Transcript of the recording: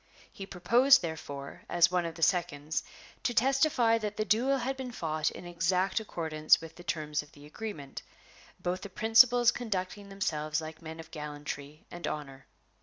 He proposed, therefore, as one of the seconds, to testify that the duel had been fought in exact accordance with the terms of the agreement, both the principals conducting themselves like men of gallantry and honor